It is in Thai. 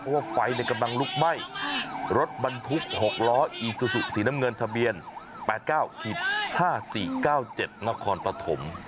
เพราะว่าไฟกำลังลุกไหม้รถบรรทุก๖ล้ออีซูซูสีน้ำเงินทะเบียน๘๙๕๔๙๗นครปฐม